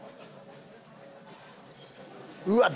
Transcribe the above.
うわっ！